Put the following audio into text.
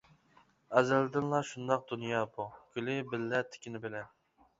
ئەزەلدىنلا شۇنداق دۇنيا بۇ، گۈلى بىللە تىكىنى بىلەن.